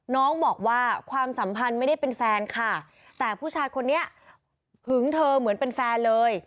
น้องบอกว่าความสัมพันธ์ไม่ได้เป็นแฟนค่ะแต่ผู้ชายคนนี้หึงเธอเหมือนเป็นแฟนเลย